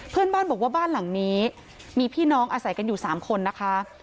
เพื่อนบ้านบอกว่าบ้านหลังนี้มีพี่น้องอาศัยกันอยู่๓คนนะคะ